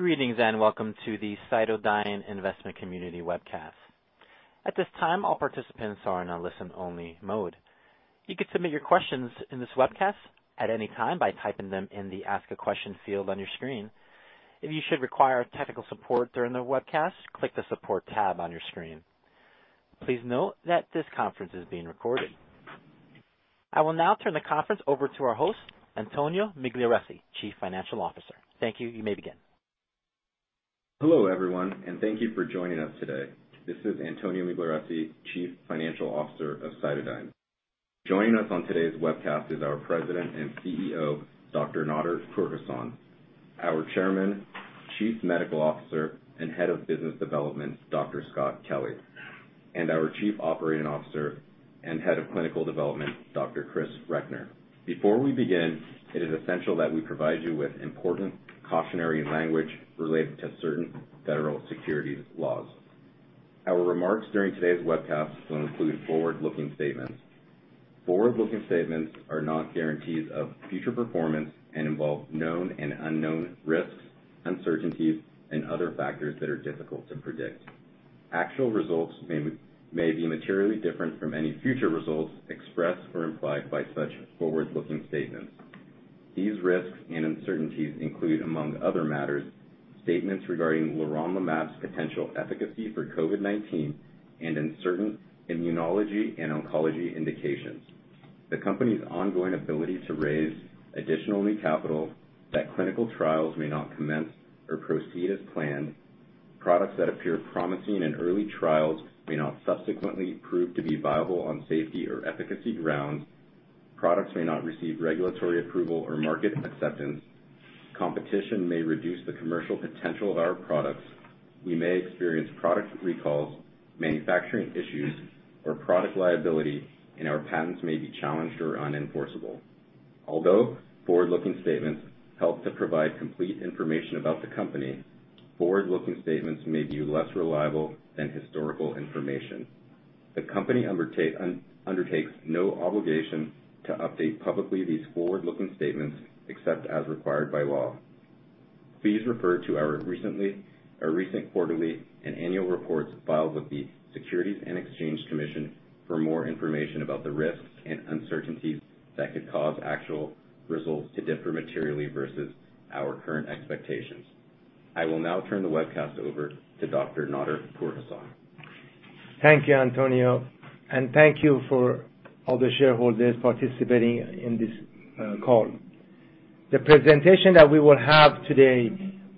Greetings and Welcome to the CytoDyn Investor Community Webcast, at this time all participants are in listen-only mode. You can submit your questions in this webcast at any time by typing them in the Ask a Question field on your screen. If you should require technical support during the webcast, click the support tab on your screen. Please note that this conference is being recorded I will now turn the conference over to our host, Antonio Migliarese, Chief Financial Officer. Thank you. You may begin. Hello, everyone, and thank you for joining us today. This is Antonio Migliarese, Chief Financial Officer of CytoDyn. Joining us on today's webcast is our President and CEO, Dr. Nader Pourhassan, our Chairman, Chief Medical Officer, and Head of Business Development, Dr. Scott Kelly, and our Chief Operating Officer and Head of Clinical Development, Dr. Chris Reckner. Before we begin, it is essential that we provide you with important cautionary language related to certain federal securities laws. Our remarks during today's webcast will include forward-looking statements. Forward-looking statements are not guarantees of future performance and involve known and unknown risks, uncertainties, and other factors that are difficult to predict. Actual results may be materially different from any future results expressed or implied by such forward-looking statements. These risks and uncertainties include, among other matters, statements regarding leronlimab's potential efficacy for COVID-19 and in certain immunology and oncology indications. The company's ongoing ability to raise additional new capital, that clinical trials may not commence or proceed as planned, products that appear promising in early trials may not subsequently prove to be viable on safety or efficacy grounds, products may not receive regulatory approval or market acceptance, competition may reduce the commercial potential of our products, we may experience product recalls, manufacturing issues, or product liability, and our patents may be challenged or unenforceable. Although forward-looking statements help to provide complete information about the company, forward-looking statements may be less reliable than historical information. The company undertakes no obligation to update publicly these forward-looking statements except as required by law. Please refer to our recent quarterly and annual reports filed with the Securities and Exchange Commission for more information about the risks and uncertainties that could cause actual results to differ materially versus our current expectations. I will now turn the webcast over to Dr. Nader Pourhassan. Thank you, Antonio, and thank you for all the shareholders participating in this call. The presentation that we will have today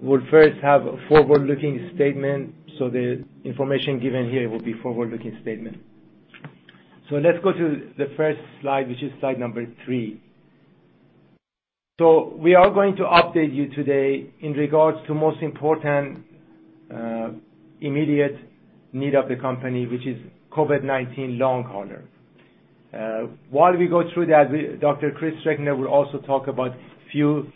will first have a forward-looking statement, so the information given here will be forward-looking statement. Let's go to the first slide, which is slide number three. We are going to update you today in regards to most important immediate need of the company, which is COVID-19 long hauler. While we go through that, Dr. Chris Reckner will also talk about few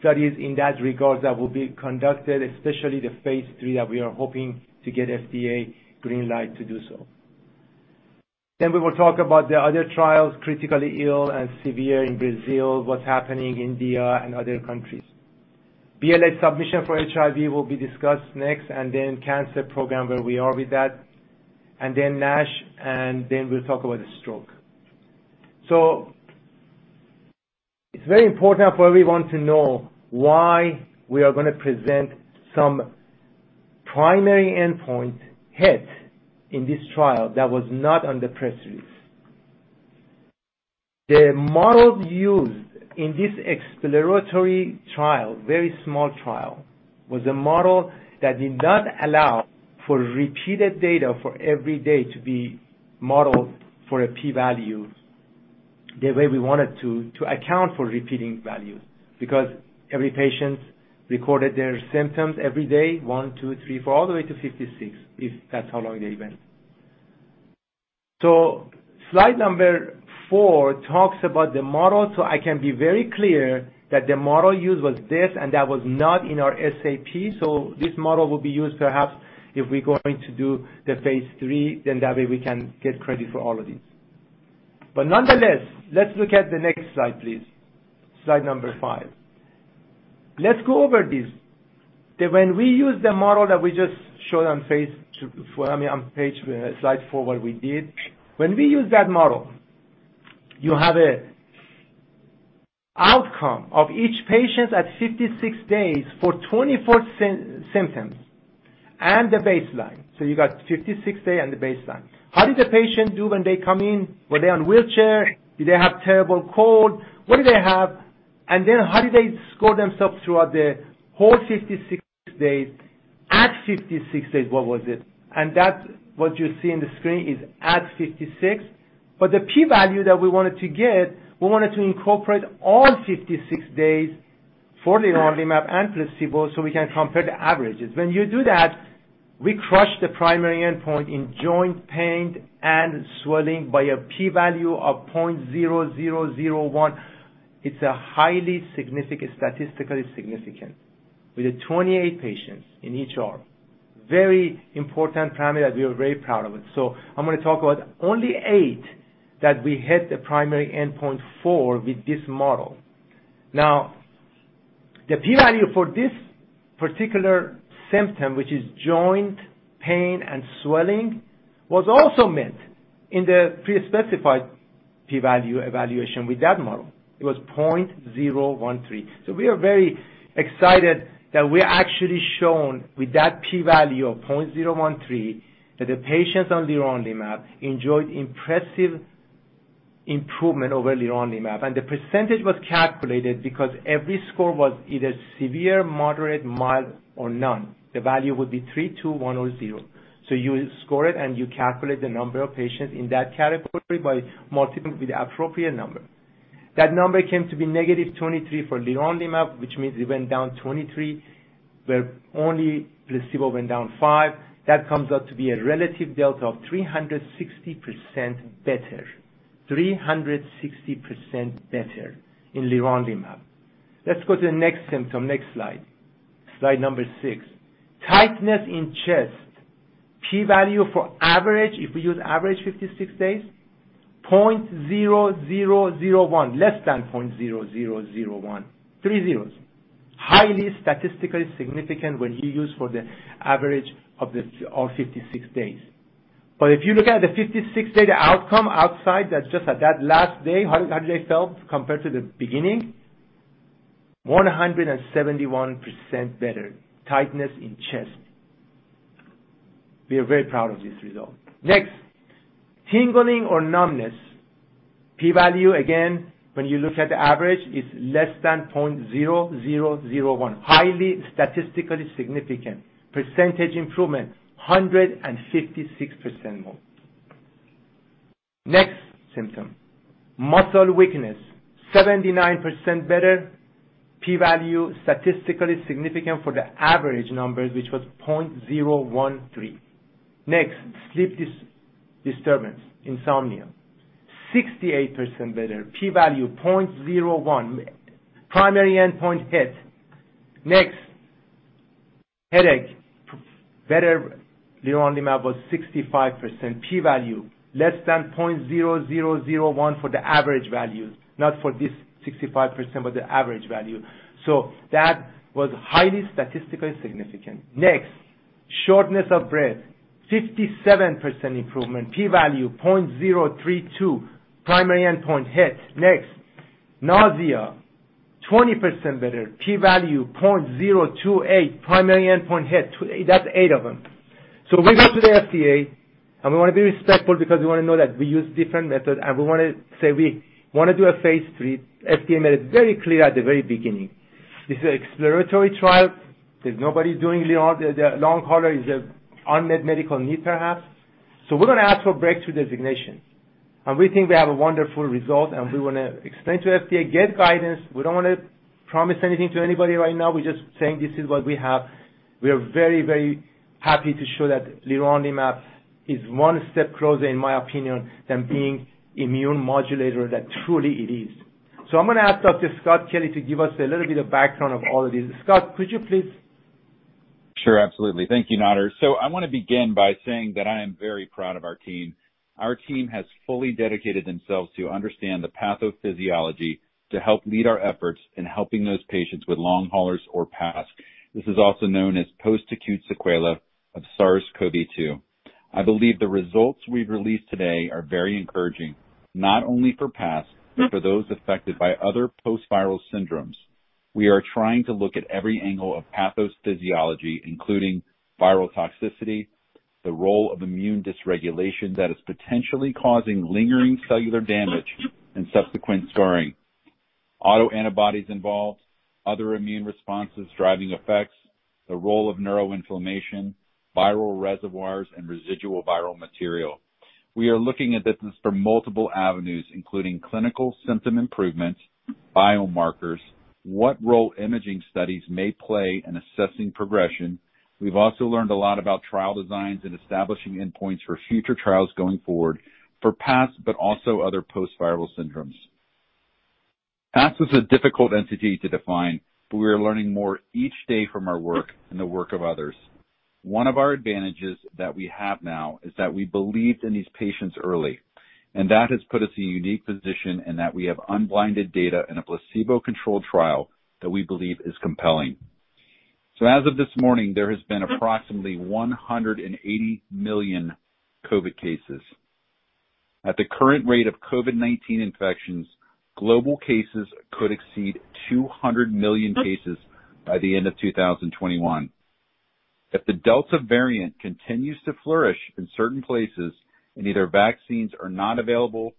studies in that regard that will be conducted, especially the phase III that we are hoping to get FDA green light to do so. We will talk about the other trials, critically ill and severe in Brazil, what's happening India and other countries. BLA submission for HIV will be discussed next, and then cancer program, where we are with that, and then NASH, and then we'll talk about stroke. It's very important for everyone to know why we are going to present some primary endpoint hit in this trial that was not on the press release. The model used in this exploratory trial, very small trial, was a model that did not allow for repeated data for every day to be modeled for a P value the way we wanted to account for repeating value, because every patient recorded their symptoms every day, one, two, three, four, all the way to 56, if that's how long they went. Slide number four talks about the model, so I can be very clear that the model used was this, and that was not in our SAP. This model will be used perhaps if we're going to do the phase III, then that way we can get credit for all of these. Nonetheless, let's look at the next slide, please. Slide number five. Let's go over this. When we use that model, you have a outcome of each patient at 56 days for 24 symptoms and the baseline. You got 56 day and the baseline. How did the patient do when they come in? Were they on wheelchair? Did they have terrible cold? What did they have? Then how did they score themselves throughout the whole 56 days, at 56 days, what was it? That's what you see in the screen is at 56 days. The P value that we wanted to get, we wanted to incorporate all 56 days for the leronlimab and placebo so we can compare the averages. When you do that, we crush the primary endpoint in joint pain and swelling by a P value of 0.0001. It's a highly statistically significant, with 28 patients in each arm. Very important parameter that we are very proud of it. I'm going to talk about only eight that we hit the primary endpoint for with this model. The P value for this particular symptom, which is joint pain and swelling, was also met in the pre-specified P value evaluation with that model. It was 0.013. We are very excited that we actually shown with that P value of 0.013 that the patients on leronlimab enjoyed impressive improvement over leronlimab. The percentage was calculated because every score was either severe, moderate, mild, or none. The value would be three, two, one or zero. You score it and you calculate the number of patients in that category by multiplying with the appropriate number. That number came to be -23 for leronlimab, which means it went down 23, where only placebo went down five. That comes out to be a relative delta of 360% better. 360% better in leronlimab. Let's go to the next symptom. Next slide. Slide number six. Tightness in chest. P value for average, if we use average 56 days, 0.0001, less than 0.0001. Three zeros. Highly statistically significant when you use for the average of the all 56 days. If you look at the 56 data outcome outside that just at that last day, how does it compare to the beginning? 171% better tightness in chest. We are very proud of this result. Next, tingling or numbness. P value, again, when you look at average, is less than 0.0001. Highly statistically significant. Percentage improvement, 156% more. Next symptom, muscle weakness, 79% better. P value statistically significant for the average number, which was 0.013. Next, sleep disturbance, insomnia, 68% better. P value 0.01. Primary endpoint hit. Next, headache, better leronlimab was 65%. P value less than 0.0001 for the average value, not for this 65%, but the average value. That was highly statistically significant. Next, shortness of breath, 57% improvement. P value 0.032. Primary endpoint hit. Next, nausea, 20% better. P value 0.028. Primary endpoint hit. That's eight of them. We go to the FDA, and we want to be respectful because we want to know that we use different methods, and we want to say we want to do a phase III. FDA is very clear at the very beginning. This is an exploratory trial. There's nobody doing long hauler. It's an unmet medical need, perhaps. We're going to ask for breakthrough designation, and we think we have a wonderful result, and we want to explain to FDA, get guidance. We don't want to promise anything to anybody right now. We're just saying this is what we have. We are very happy to show that leronlimab is one step closer, in my opinion, than being immunomodulator that truly it is. I'm going to ask Dr. Scott Kelly to give us a little bit of background of all of these. Scott, could you please? Sure, absolutely. Thank you, Nader. I want to begin by saying that I am very proud of our team. Our team has fully dedicated themselves to understand the pathophysiology to help meet our efforts in helping those patients with long haulers or PASC. This is also known as post-acute sequelae of SARS-CoV-2. I believe the results we've released today are very encouraging, not only for PASC, but for those affected by other post-viral syndromes. We are trying to look at every angle of pathophysiology, including viral toxicity, the role of immune dysregulation that is potentially causing lingering cellular damage and subsequent scarring, autoantibodies involved, other immune responses driving effects, the role of neuroinflammation, viral reservoirs, and residual viral material. We are looking at this from multiple avenues, including clinical symptom improvements, biomarkers, what role imaging studies may play in assessing progression. We've also learned a lot about trial designs and establishing endpoints for future trials going forward for PASC, but also other post-viral syndromes. PASC is a difficult entity to define, but we are learning more each day from our work and the work of others. One of our advantages that we have now is that we believed in these patients early, and that has put us in a unique position in that we have unblinded data in a placebo-controlled trial that we believe is compelling. As of this morning, there has been approximately 180 million COVID cases. At the current rate of COVID-19 infections, global cases could exceed 200 million cases by the end of 2021. If the Delta variant continues to flourish in certain places and either vaccines are not available,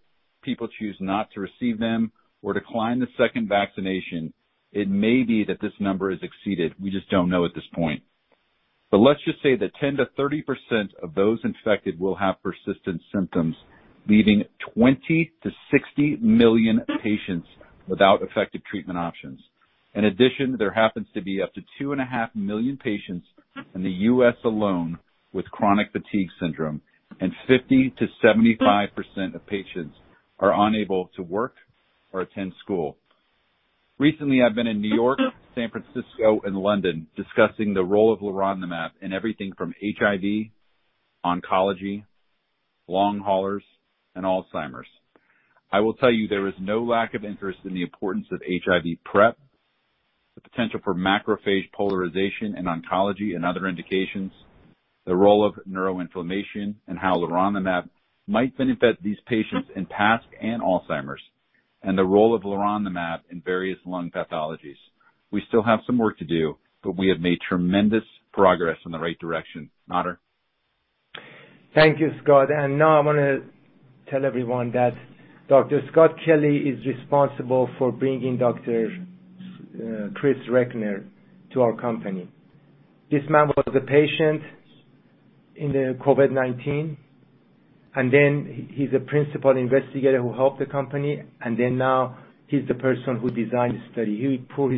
people choose not to receive them or decline the second vaccination, it may be that this number is exceeded. We just don't know at this point. Let's just say that 10%-30% of those infected will have persistent symptoms, leaving 20 million-60 million patients without effective treatment options. In addition, there happens to be up to 2.5 million patients in the U.S. alone with chronic fatigue syndrome, and 50%-75% of patients are unable to work or attend school. Recently, I've been in New York, San Francisco, and London discussing the role of leronlimab in everything from HIV, oncology, long haulers, and Alzheimer's. I will tell you, there is no lack of interest in the importance of HIV PrEP, the potential for macrophage polarization in oncology and other indications, the role of neuroinflammation and how leronlimab might benefit these patients in PASC and Alzheimer's, and the role of leronlimab in various lung pathologies. We still have some work to do, but we have made tremendous progress in the right direction. Nader. Thank you, Scott. Now I'm going to tell everyone that Dr. Scott Kelly is responsible for bringing Dr. Chris Reckner to our company. This man was a patient in the COVID-19, and then he's a principal investigator who helped the company, and then now he's the person who designed the study. He put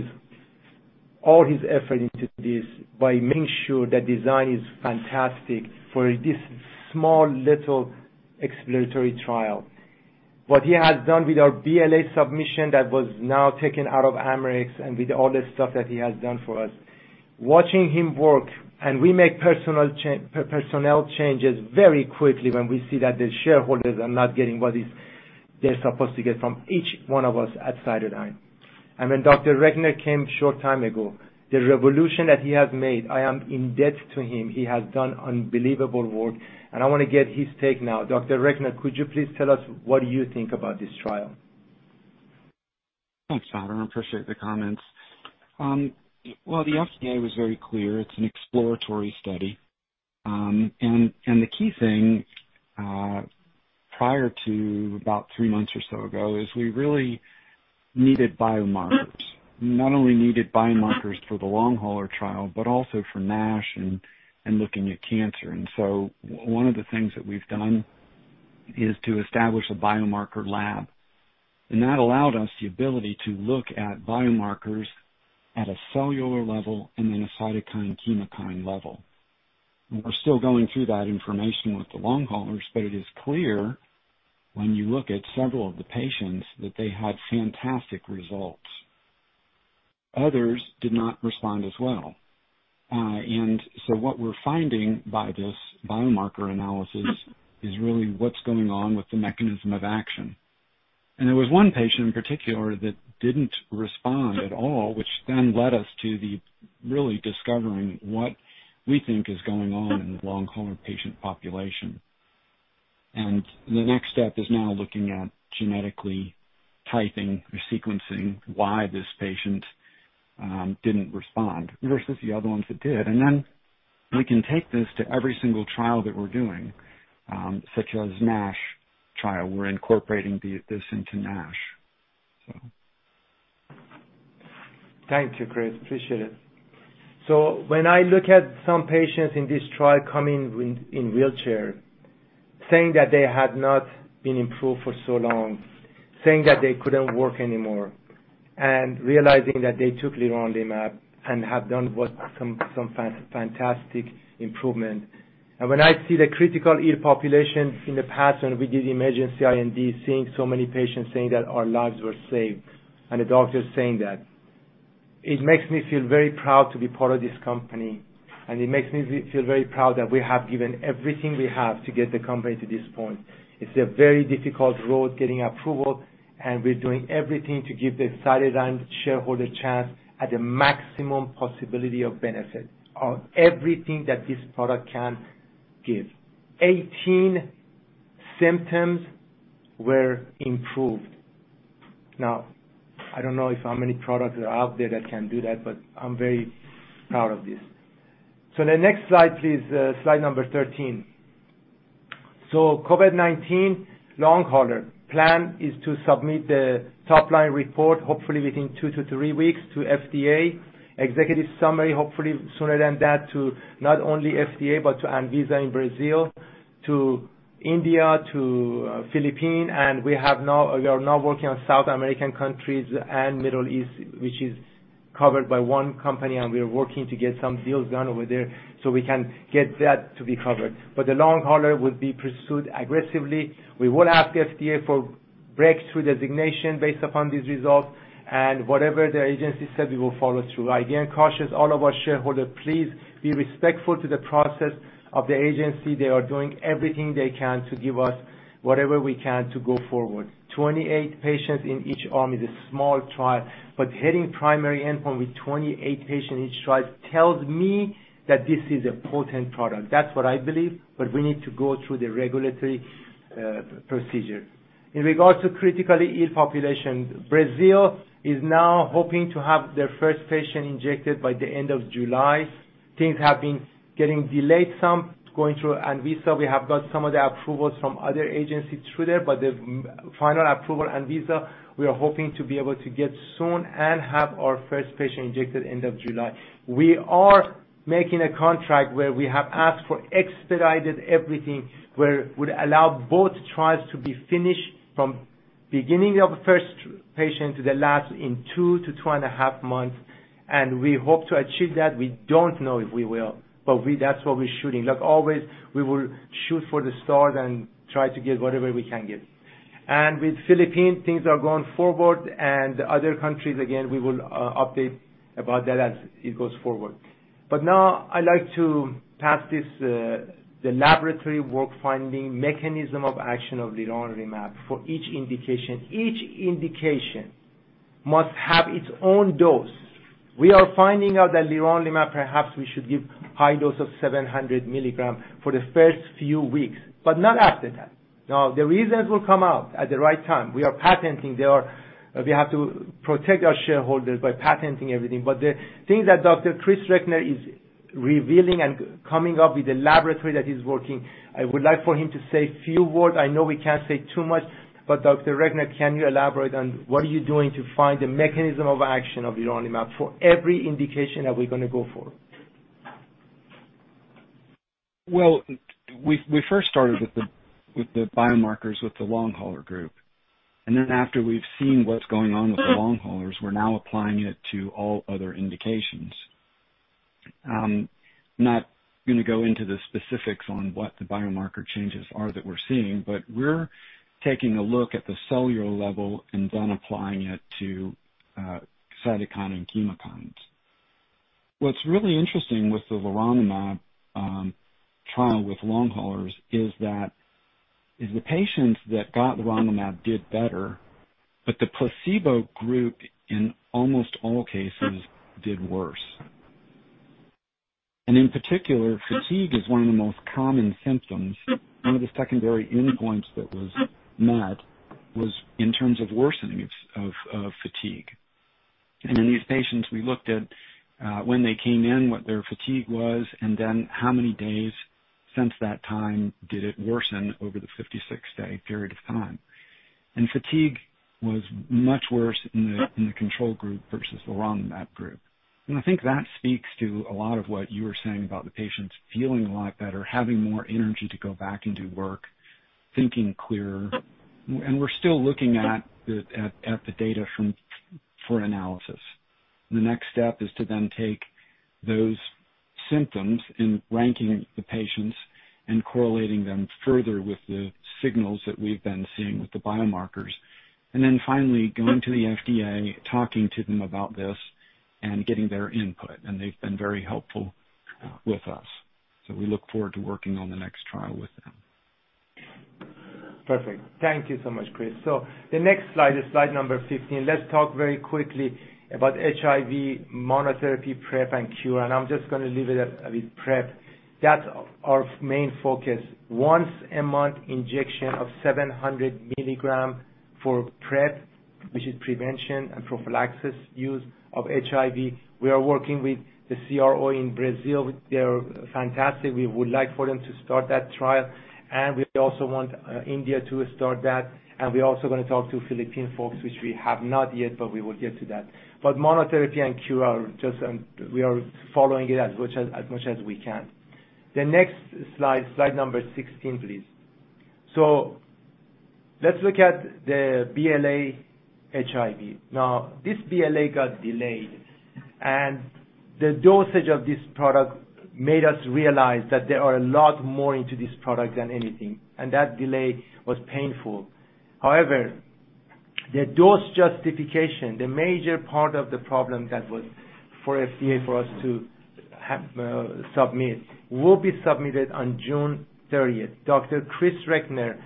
all his effort into this by making sure the design is fantastic for this small little exploratory trial. What he has done with our BLA submission that was now taken out of Amarex and with all the stuff that he has done for us, watching him work. We make personnel changes very quickly when we see that the shareholders are not getting what they're supposed to get from each one of us at CytoDyn. When Dr. Reckner came short time ago, the revolution that he has made, I am in debt to him. He has done unbelievable work, and I want to get his take now. Dr. Reckner, could you please tell us what you think about this trial? Thanks, Nader. I appreciate the comments. Well, the FDA was very clear. It's an exploratory study. The key thing, prior to about three months or so ago, is we really needed biomarkers. We not only needed biomarkers for the long hauler trial, but also for NASH and looking at cancer. One of the things that we've done is to establish a biomarker lab, and that allowed us the ability to look at biomarkers at a cellular level and then a cytokine/chemokine level. We're still going through that information with the long haulers, but it is clear when you look at several of the patients that they had fantastic results. Others did not respond as well. What we're finding by this biomarker analysis is really what's going on with the mechanism of action. There was one patient in particular that didn't respond at all, which then led us to really discovering what we think is going on in the long hauler patient population. The next step is now looking at genetically typing or sequencing why this patient didn't respond versus the other ones that did. We can take this to every single trial that we're doing, such as NASH trial. We're incorporating this into NASH. Thank you, Chris. Appreciate it. When I look at some patients in this trial coming in wheelchair, saying that they have not been improved for so long, saying that they couldn't work anymore, and realizing that they took leronlimab and have done some fantastic improvement. When I see the critical ill populations in the past, and we did emergency IND, seeing so many patients saying that our lives were saved, and the doctors saying that. It makes me feel very proud to be part of this company, and it makes me feel very proud that we have given everything we have to get the company to this point. It's a very difficult road getting approval, and we're doing everything to give the CytoDyn shareholder chance at the maximum possibility of benefit of everything that this product can give. 18 symptoms were improved. I don't know how many products are out there that can do that, but I'm very proud of this. The next slide is slide number 13. COVID-19 long hauler plan is to submit the top-line report, hopefully within two to three weeks to FDA. Executive summary, hopefully sooner than that to not only FDA, but to Anvisa in Brazil, to India, to Philippine. We are now working on South American countries and Middle East, which is covered by one company, and we are working to get some deals done over there so we can get that to be covered. The long hauler will be pursued aggressively. We will ask the FDA for breakthrough designation based upon these results, and whatever the agency said, we will follow through. I again caution all of our shareholders, please be respectful to the process of the agency. They are doing everything they can to give us whatever we can to go forward. 28 patients in each arm in the small trial, hitting primary endpoint with 28 patients in each trial tells me that this is a potent product. That's what I believe. We need to go through the regulatory procedure. In regards to critically ill population, Brazil is now hoping to have their first patient injected by the end of July. Things have been getting delayed some going through Anvisa. We have got some of the approvals from other agencies through there, the final approval, Anvisa, we are hoping to be able to get soon and have our first patient injected end of July. We are making a contract where we have asked for expedited everything, where would allow both trials to be finished from beginning of first patient to the last in two to two and a half months, and we hope to achieve that. We don't know if we will. That's what we're shooting. Like always, we will shoot for the stars and try to get whatever we can get. With Philippines, things are going forward. Other countries, again, we will update about that as it goes forward. Now I'd like to have this, the laboratory work finding mechanism of action of leronlimab for each indication. Each indication must have its own dose. We are finding out that leronlimab, perhaps we should give high dose of 700 milligrams for the first few weeks, but not after that. Now, the reasons will come out at the right time. We are patenting. We have to protect our shareholders by patenting everything. The thing that Dr. Chris Reckner is revealing and coming up with the laboratory that is working, I would like for him to say a few words. I know we can't say too much, but Dr. Reckner, can you elaborate on what are you doing to find the mechanism of action of leronlimab for every indication that we're going to go for? We first started with the biomarkers with the long hauler group, after we've seen what's going on with the long haulers, we're now applying it to all other indications. I'm not going to go into the specifics on what the biomarker changes are that we're seeing, but we're taking a look at the cellular level and then applying it to cytokines and chemokines. What's really interesting with the leronlimab trial with long haulers is that the patients that got leronlimab did better, but the placebo group, in almost all cases, did worse. In particular, fatigue is one of the most common symptoms. One of the secondary endpoints that was met was in terms of worsening of fatigue. In these patients, we looked at when they came in, what their fatigue was, then how many days since that time did it worsen over the 56-day period of time. Fatigue was much worse in the control group versus the leronlimab group. I think that speaks to a lot of what you were saying about the patients feeling a lot better, having more energy to go back into work, thinking clearer. We're still looking at the data for analysis. The next step is to then take those symptoms and ranking the patients and correlating them further with the signals that we've been seeing with the biomarkers. Finally going to the FDA, talking to them about this, and getting their input, and they've been very helpful with us. We look forward to working on the next trial with them. Perfect. Thank you so much, Chris. The next slide is slide number 15. Let's talk very quickly about HIV monotherapy, PrEP, and cure. I'm just going to leave it at with PrEP. That's our main focus. Once a month injection of 700 milligrams for PrEP, which is prevention and prophylaxis use of HIV. We are working with the CRO in Brazil. They are fantastic. We would like for them to start that trial, and we also want India to start that, and we're also going to talk to Philippine folks, which we have not yet, but we will get to that. Monotherapy and cure, we are following it as much as we can. The next slide number 16, please. Let's look at the BLA HIV. This BLA got delayed, and the dosage of this product made us realize that there are a lot more into this product than anything, and that delay was painful. The dose justification, the major part of the problem for FDA for us to submit, will be submitted on June 30th. Dr. Chris Reckner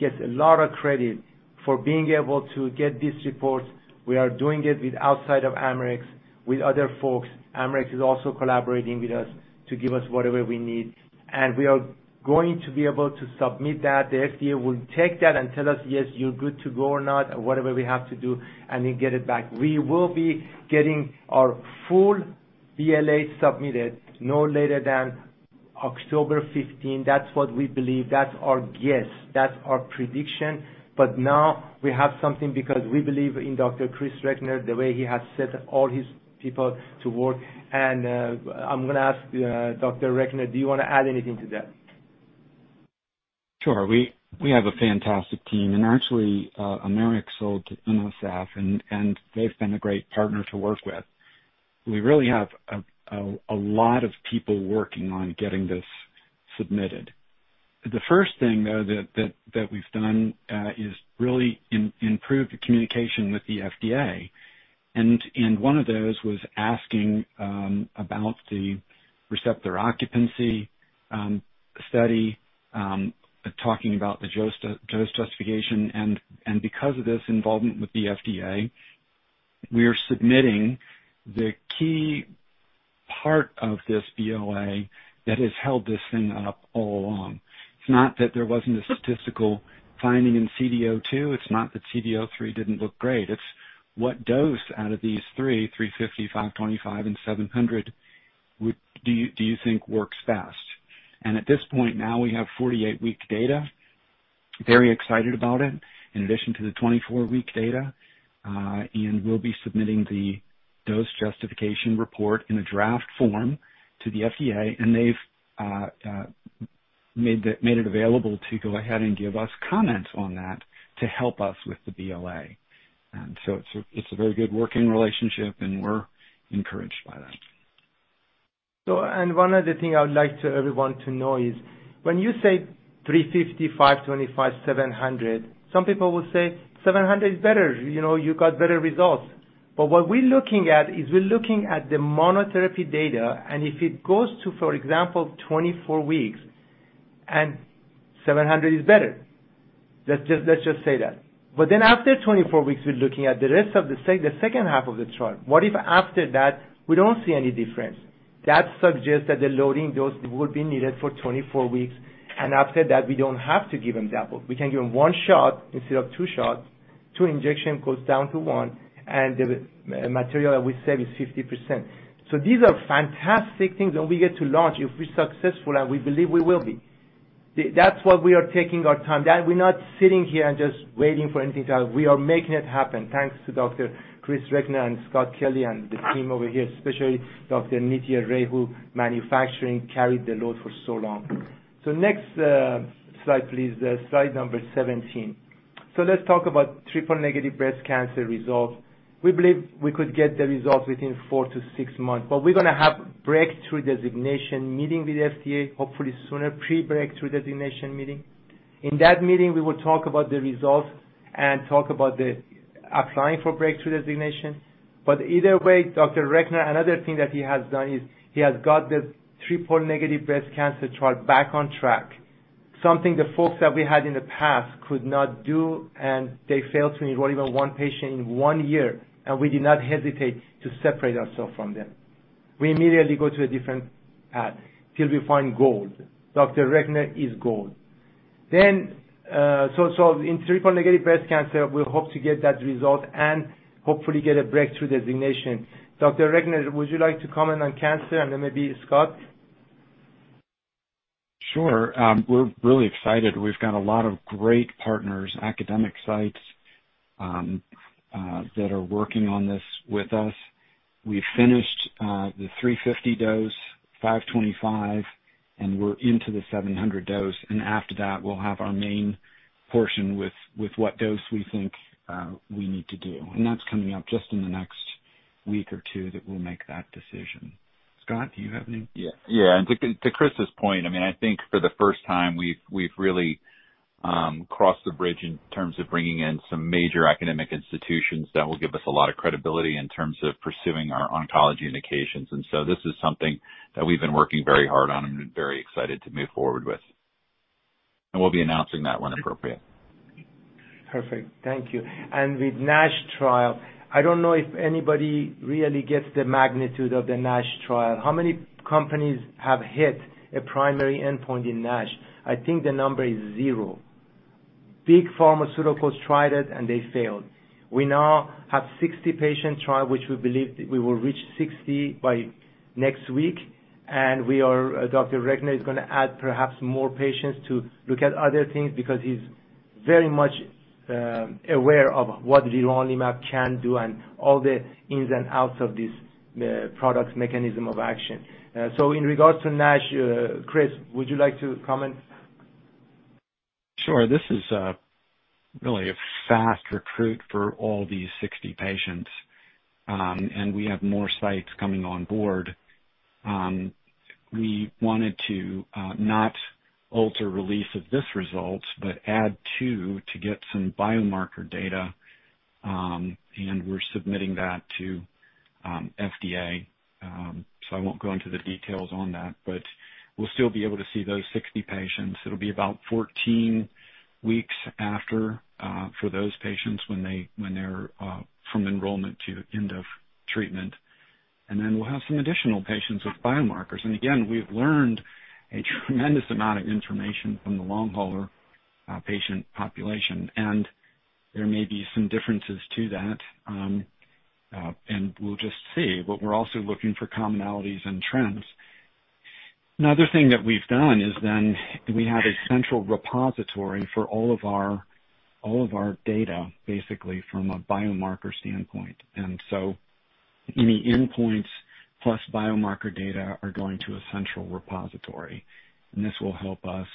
gets a lot of credit for being able to get these reports. We are doing it with outside of Amarex, with other folks. Amarex is also collaborating with us to give us whatever we need, and we are going to be able to submit that. The FDA will take that and tell us, "Yes, you're good to go," or not, or whatever we have to do, and then get it back. We will be getting our full BLA submitted no later than October 15. That's what we believe. That's our guess. That's our prediction. Now we have something because we believe in Dr. Chris Reckner, the way he has set all his people to work. I'm going to ask Dr. Reckner, do you want to add anything to that? Sure. We have a fantastic team. Actually, Amarex sold to NSF, and they've been a great partner to work with. We really have a lot of people working on getting this submitted. The first thing, though, that we've done is really improve the communication with the FDA. One of those was asking about the receptor occupancy study, talking about the dose justification. Because of this involvement with the FDA, we are submitting the key part of this BLA that has held this thing up all along. It's not that there wasn't a statistical finding in CD02. It's not that CD03 didn't look great. It's what dose out of these three, 350, 525, and 700 do you think works best? At this point now, we have 48-week data. Very excited about it. In addition to the 24-week data, and we'll be submitting the dose justification report in a draft form to the FDA, and they've made it available to go ahead and give us comments on that to help us with the BLA. It's a very good working relationship, and we're encouraged by that. One of the things I would like everyone to know is when you say 350, 525, 700, some people will say 700 is better, you got better results. What we're looking at is we're looking at the monotherapy data, and if it goes to, for example, 24 weeks and 700 is better. Let's just say that. After 24 weeks, we're looking at the rest of the second half of the trial. What if after that, we don't see any difference? That suggests that the loading dose would be needed for 24 weeks, and after that, we don't have to give them double. We can give one shot instead of two shots. two injection goes down to one, and the material that we save is 50%. These are fantastic things that we get to launch if we're successful, and we believe we will be. That's why we are taking our time. We're not sitting here and just waiting for anything to happen. We are making it happen. Thanks to Dr. Chris Reckner and Scott Kelly and the team over here, especially Dr. Amita Ray, who manufacturing carried the load for so long. Next slide, please. Slide number 17. Let's talk about triple-negative breast cancer results. We believe we could get the results within four-six months, but we're going to have Breakthrough Designation meeting with FDA, hopefully sooner, pre-Breakthrough Designation meeting. In that meeting, we will talk about the results and talk about applying for Breakthrough Designation. Either way, Dr. Reckner, another thing that he has done is he has got the triple-negative breast cancer trial back on track, something the folks that we had in the past could not do, and they failed to enroll even one patient in one year, and we did not hesitate to separate ourselves from them. We immediately go to a different path till we find gold. Dr. Reckner is gold. In triple-negative breast cancer, we hope to get that result and hopefully get a breakthrough designation. Dr. Reckner, would you like to comment on cancer and maybe Scott? Sure. We're really excited. We've got a lot of great partners, academic sites that are working on this with us. We finished the 350 dose, 525, and we're into the 700 dose, and after that, we'll have our main portion with what dose we think we need to do. That's coming up just in the next week or two that we'll make that decision. Scott, do you have any? Yeah. To Chris's point, I think for the first time we've really crossed the bridge in terms of bringing in some major academic institutions that will give us a lot of credibility in terms of pursuing our oncology indications. This is something that we've been working very hard on and very excited to move forward with, and we'll be announcing that when appropriate. Perfect. Thank you. With NASH trial, I don't know if anybody really gets the magnitude of the NASH trial. How many companies have hit a primary endpoint in NASH? I think the number is zero. Big pharmaceuticals tried it, and they failed. We now have a 60-patient trial, which we believe we will reach 60 by next week. Dr. Reckner is going to add perhaps more patients to look at other things because he's very much aware of what leronlimab can do and all the ins and outs of this product mechanism of action. In regards to NASH, Chris, would you like to comment? Sure. This is really a fast recruit for all these 60 patients, and we have more sites coming on board. We wanted to not alter release of this result, but add two to get some biomarker data, and we're submitting that to FDA. I won't go into the details on that, but we'll still be able to see those 60 patients. It'll be about 14 weeks after for those patients when they're from enrollment to end of treatment, and then we'll have some additional patients with biomarkers. Again, we've learned a tremendous amount of information from the long hauler patient population, and there may be some differences to that, and we'll just see. We're also looking for commonalities and trends. Another thing that we've done is then we have a central repository for all of our data, basically from a biomarker standpoint. Any endpoints plus biomarker data are going to a central repository. This will help us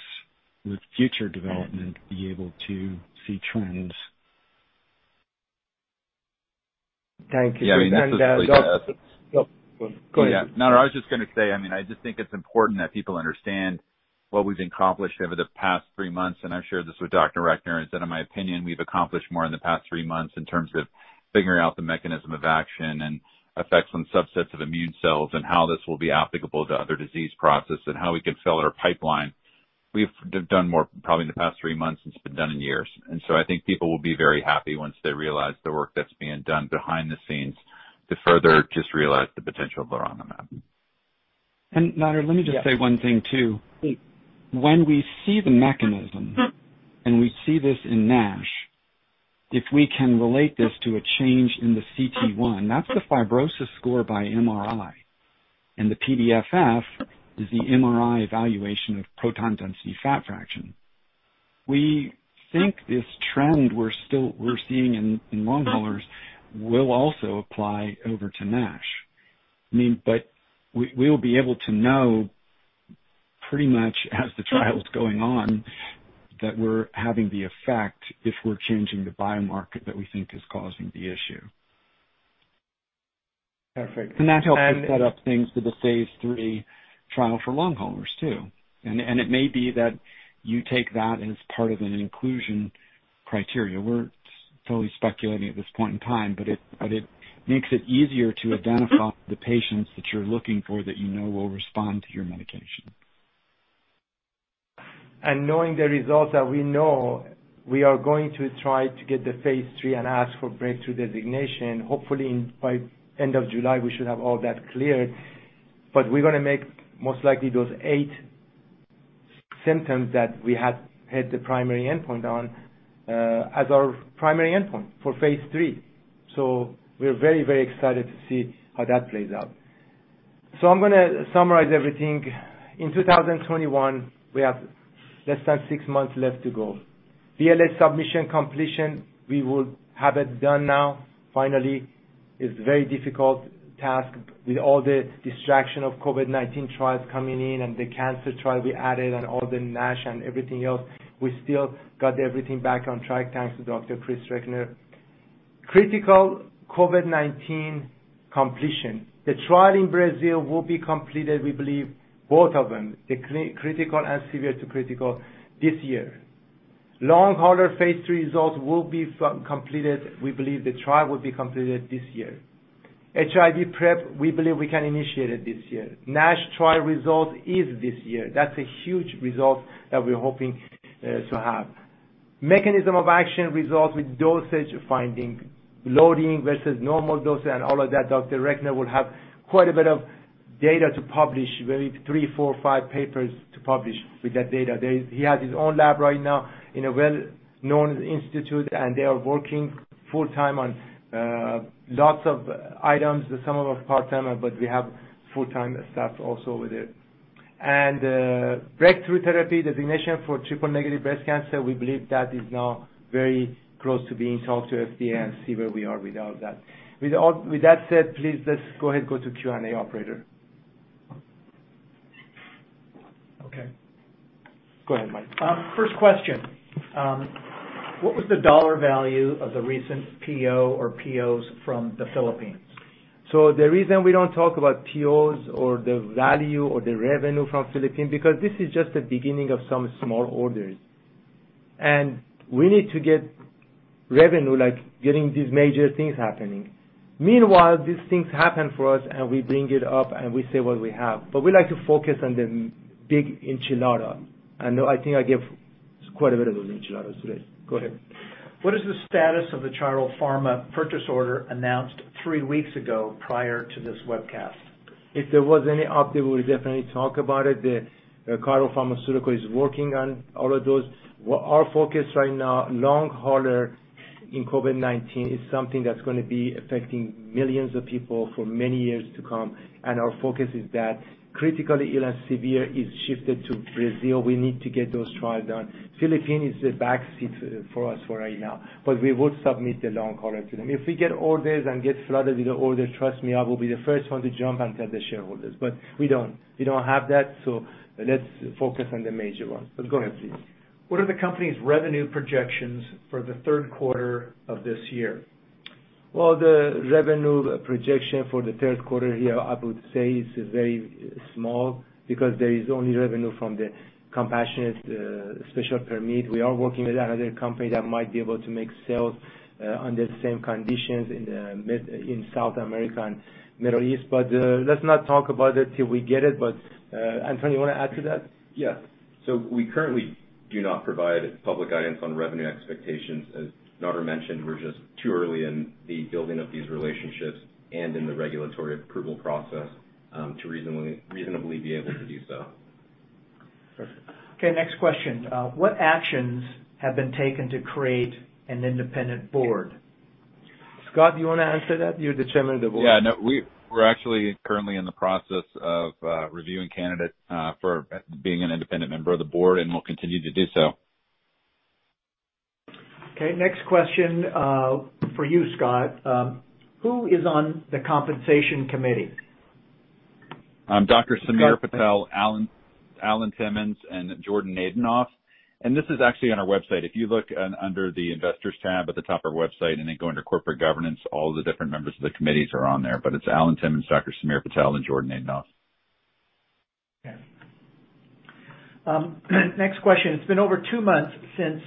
with future development, be able to see trends. Thank you. Yeah, I mean, that's actually. Go. No, I was just going to say, I just think it's important that people understand what we've accomplished over the past three months, and I shared this with Dr. Reckner, is that, in my opinion, we've accomplished more in the past three months in terms of figuring out the mechanism of action and effects on subsets of immune cells and how this will be applicable to other disease processes and how we can fill our pipeline. We've done more probably in the past three months than it's been done in years. I think people will be very happy once they realize the work that's being done behind the scenes to further just realize the potential of leronlimab. Nader, let me just say one thing too. When we see the mechanism and we see this in NASH, if we can relate this to a change in the cT1, that's a fibrosis score by MRI, and the PDFF is the MRI evaluation of proton density fat fraction. We think this trend we're seeing in long haulers will also apply over to NASH. We'll be able to know pretty much as the trial's going on, that we're having the effect if we're changing the biomarker that we think is causing the issue. Perfect. That's helped us set up things for the phase III trial for long haulers, too. It may be that you take that as part of an inclusion criteria. We're totally speculating at this point in time, but it makes it easier to identify the patients that you know are looking for that you know will respond to your medication. Knowing the results that we know, we are going to try to get the phase III and ask for Breakthrough Designation. Hopefully, by end of July, we should have all that cleared. We're going to make most likely those eight symptoms that we had the primary endpoint on as our primary endpoint for phase III. We're very excited to see how that plays out. I'm going to summarize everything. In 2021, we have less than six months left to go. DLS submission completion, we will have it done now, finally. It's a very difficult task with all the distraction of COVID-19 trials coming in, and the cancer trial we added, and all the NASH, and everything else. We still got everything back on track, thanks to Dr. Chris Reckner. Critical COVID-19 completion. The trial in Brazil will be completed, we believe, both of them, the critical and severe to critical, this year. Long hauler phase III results will be completed, we believe the trial will be completed this year. HIV PrEP, we believe we can initiate it this year. NASH trial results is this year. That's a huge result that we're hoping to have. Mechanism of action results with dosage finding, loading versus normal dosage and all of that, Dr. Reckner will have quite a bit of data to publish, maybe three, four, or five papers to publish with that data. He has his own lab right now in a well-known institute, and they are working full-time on lots of items. Some of them part-time, but we have full-time staff also with it. Breakthrough therapy designation for triple-negative breast cancer, we believe that is now very close to being talked to FDA and see where we are with all that. With that said, please, let's go ahead and go to Q&A, operator. Okay. Go ahead, Mike. First question. What was the dollar value of the recent PO or POs from the Philippines? The reason we don't talk about POs or the value or the revenue from Philippines, because this is just the beginning of some small orders. We need to get revenue, like getting these major things happening. Meanwhile, these things happen for us, and we bring it up, and we say what we have. We like to focus on the big enchilada. I think I gave quite a bit of those enchiladas today. Go ahead. What is the status of the Chiral Pharma purchase order announced three weeks ago prior to this webcast? If there was any update, we would definitely talk about it. The Chiral Pharma is working on all of those. Our focus right now, long hauler in COVID-19 is something that's going to be affecting millions of people for many years to come, and our focus is that. Critically ill and severe is shifted to Brazil. We need to get those trials done. Philippines is the backseat for us for right now. We will submit the long hauler to them. If we get orders and get flooded with orders, trust me, I will be the first one to jump and tell the shareholders. We don't have that, let's focus on the major ones. Go ahead, please. What are the company's revenue projections for the third quarter of this year? Well, the revenue projection for the third quarter here, I would say, is very small because there is only revenue from the Special Access Programme. We are working with another company that might be able to make sales under the same conditions in South America and Middle East. Let's not talk about it till we get it. Anthony, you want to add to that? Yes. We currently do not provide public guidance on revenue expectations. As Nader mentioned, we're just too early in the building of these relationships and in the regulatory approval process to reasonably be able to do so. Perfect. Okay, next question. What actions have been taken to create an independent board? Scott, you want to answer that? You're the Chairman of the Board. Yeah. No, we're actually currently in the process of reviewing candidates for being an independent member of the board, and we'll continue to do so. Okay, next question, for you, Scott. Who is on the compensation committee? Dr. Samir Patel, Alan Simmons, and Jordan Naydenov. This is actually on our website. If you look under the Investors tab at the top of our website and then go under Corporate Governance, all the different members of the committees are on there. It's Alan Simmons, Dr. Samir Patel, and Jordan Naydenov. Next question. It's been over two months since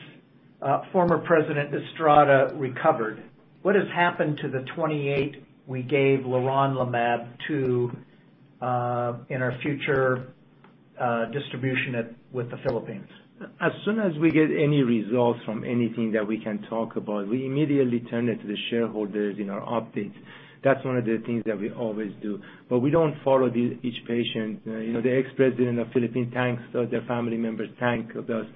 former President Estrada recovered. What has happened to the 28 we gave leronlimab to in our future distribution with the Philippines? As soon as we get any results from anything that we can talk about, we immediately turn it to the shareholders in our updates. That's one of the things that we always do. We don't follow each patient. The ex-president of the Philippines thanks us, the family members thank us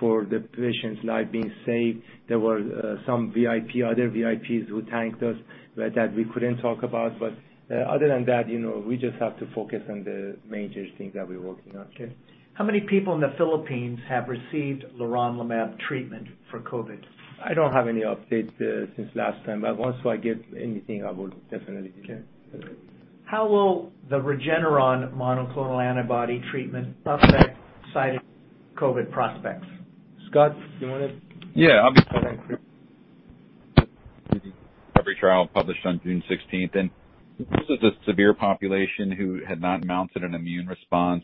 for the patient's life being saved. There were some VIP, other VIPs who thanked us that we couldn't talk about. Other than that, we just have to focus on the major things that we're working on. Okay. How many people in the Philippines have received leronlimab treatment for COVID? I don't have any updates since last time, but once I get anything, I will definitely share. How will the Regeneron monoclonal antibody treatment affect CytoDyn's COVID prospects? Scott, do you want to? Yeah. Every trial published on June 16th, this was a severe population who had not mounted an immune response.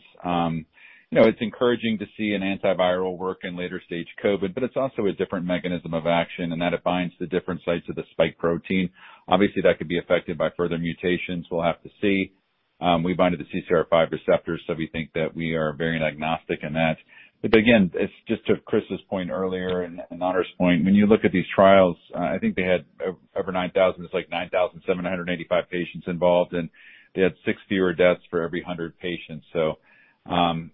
It's encouraging to see an antiviral work in later stage COVID-19, it's also a different mechanism of action, that binds to different sites of the spike protein. Obviously, that could be affected by further mutations. We'll have to see. We bind to the CCR5 receptors, we think that we are very agnostic in that. Again, it's just to Chris point earlier, Nader Pourhassan's point, when you look at these trials, I think they had over 9,000, it's like 9,785 patients involved, they had 60 deaths for every 100 patients.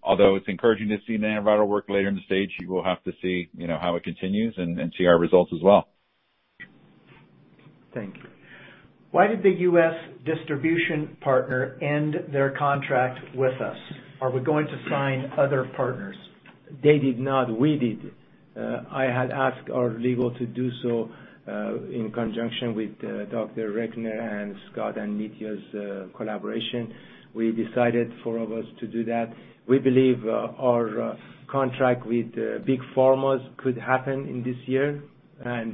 Although it's encouraging to see an antiviral work later in the stage, we will have to see how it continues and see our results as well. Thank you. Why did the U.S. distribution partner end their contract with us? Are we going to sign other partners? They did not, we did. I had asked our legal to do so, in conjunction with Dr. Reckner and Scott and Nitya's collaboration. We decided for us to do that. We believe our contract with big pharmas could happen in this year.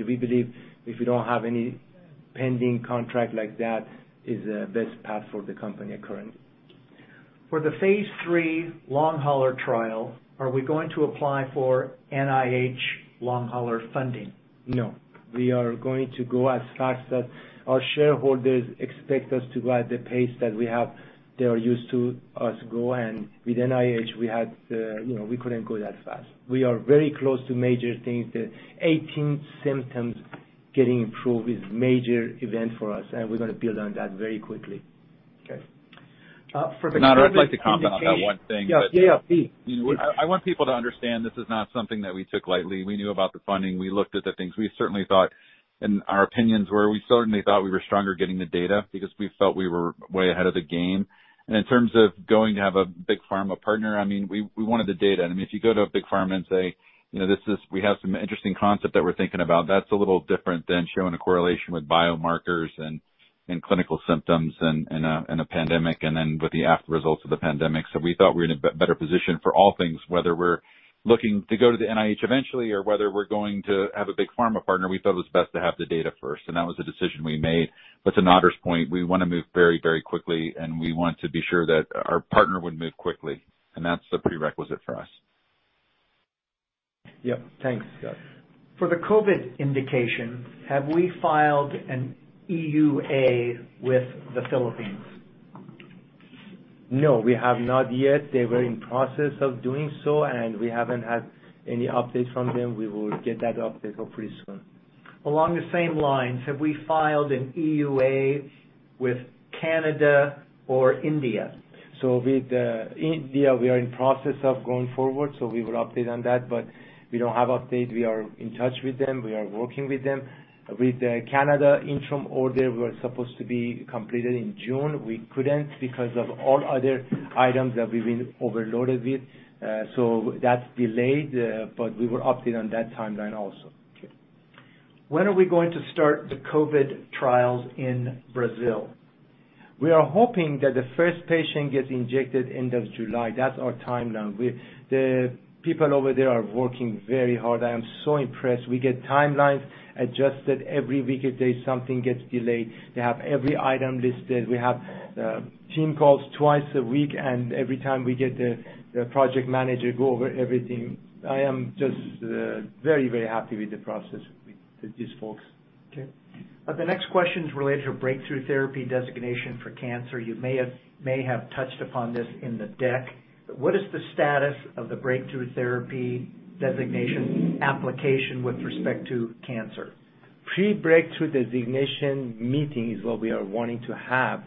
We believe if we don't have any pending contract like that is the best path for the company currently. For the phase III long hauler trial, are we going to apply for NIH long hauler funding? No. We are going to go as fast that our shareholders expect us to go at the pace that they are used to us go, and with NIH, we couldn't go that fast. We are very close to major things. The 18 symptoms getting improved is major event for us, and we're going to build on that very quickly. Okay. Nader, if I could comment on that one thing. Yeah, please. I want people to understand this is not something that we took lightly. We knew about the funding. We looked at the things. We certainly thought, and our opinions were, we certainly thought we were stronger getting the data because we felt we were way ahead of the game. In terms of going to have a big pharma partner, we wanted the data. If you go to a big pharma and say, "We have some interesting concept that we're thinking about," that's a little different than showing a correlation with biomarkers and clinical symptoms in a pandemic, and then with the results of the pandemic. We thought we were in a better position for all things, whether we're looking to go to the NIH eventually or whether we're going to have a big pharma partner, we thought it was best to have the data first, and that was the decision we made. To Nader's point, we want to move very quickly, and we want to be sure that our partner would move quickly, and that's the prerequisite for us. Yep. Thanks. Yep. For the COVID indication, have we filed an EUA with the Philippines? No, we have not yet. They were in process of doing so, and we haven't had any update from them. We will get that update pretty soon. Along the same lines, have we filed an EUA with Canada or India? With India, we are in process of going forward, we will update on that. We don't have update. We are in touch with them. We are working with them. With Canada, Interim Order were supposed to be completed in June. We couldn't because of all other items that we've been overloaded with. That's delayed, we will update on that timeline also. Okay. When are we going to start the COVID trials in Brazil? We are hoping that the first patient gets injected end of July. That's our timeline. The people over there are working very hard. I am so impressed. We get timelines adjusted every weekday, something gets delayed. They have every item listed. We have team calls twice a week, and every time we get the project manager go over everything. I am just very happy with the process with these folks. Okay. The next question is related to breakthrough therapy designation for cancer. You may have touched upon this in the deck. What is the status of the breakthrough therapy designation application with respect to cancer? Pre-breakthrough designation meeting is what we are wanting to have.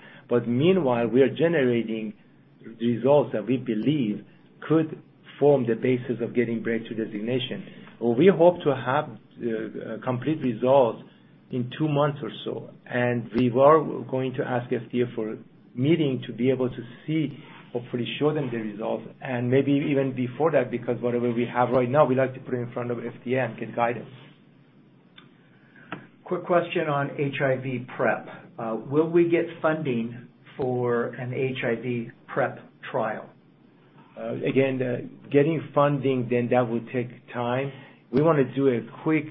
Meanwhile, we are generating results that we believe could form the basis of getting breakthrough designation. We hope to have complete results in two months or so, and we are going to ask FDA for a meeting to be able to see, hopefully show them the results, and maybe even before that, because whatever we have right now, we like to put in front of FDA and get guidance. Quick question on HIV PrEP. Will we get funding for an HIV PrEP trial? Getting funding, that would take time. We want to do a quick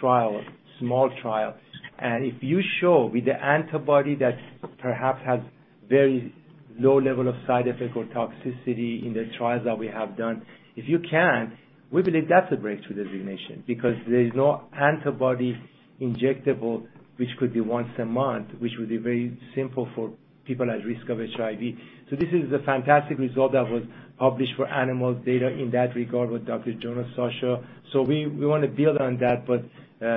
trial, small trial. If you show with the antibody that perhaps has very low level of side effect or toxicity in the trials that we have done, if you can, we believe that's a breakthrough designation because there's no antibody injectable which could be once a month, which would be very simple for people at risk of HIV. This is a fantastic result that was published for animal data in that regard with Dr. Jones-Ochsner. We want to build on that,